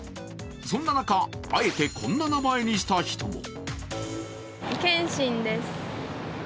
そんな中、あえてこんな名前にした人も。